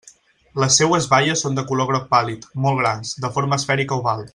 Les seues baies són de color groc pàl·lid, molt grans, de forma esfèrica oval.